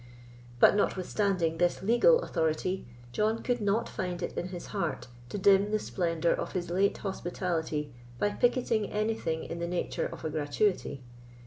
But, notwithstanding this legal authority, John could not find in his heart to dim the splendour of his late hospitality by picketing anything in the nature of a gratuity.